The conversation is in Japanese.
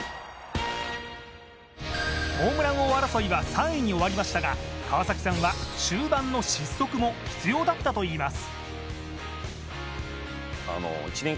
ホームラン王争いは３位に終わりましたが川崎さんは終盤の失速も必要だったといいます。